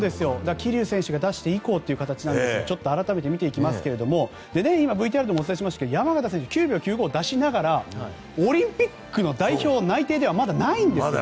桐生選手が出して以降ということで改めて見ていきますと今、ＶＴＲでもお伝えしましたが山縣選手は９秒９５を出しながらオリンピックの代表にはまだ内定ではないんですね。